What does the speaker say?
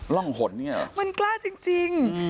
ร่องหนเนี่ยเหรอมันกล้าจริง